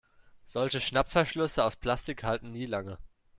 Solche Schnappverschlüsse aus Plastik halten nie lange.